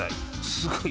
すごい。